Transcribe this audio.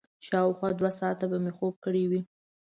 شاوخوا دوه ساعته به مې خوب کړی وي.